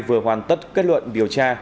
vừa hoàn tất kết luận điều tra